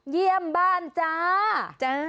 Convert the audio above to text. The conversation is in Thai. เยี่ยมบ้านจ้า